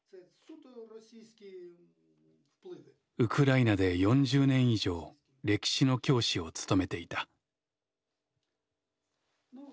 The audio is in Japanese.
ウクライナで４０年以上歴史の教師を務めていた。